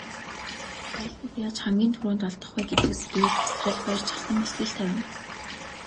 Хайлтад яаж хамгийн түрүүнд олдох вэ гэдэг сэдвээр захирал Баяржавхлан илтгэл тавина.